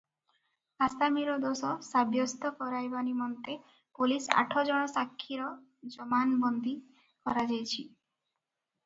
ଆସାମୀର ଦୋଷ ସାବ୍ୟସ୍ତ କରାଇବା ନିମନ୍ତେ ପୋଲିସ ଆଠଜଣ ସାକ୍ଷୀର ଜମାନବନ୍ଦୀ କରାଯାଇଛି ।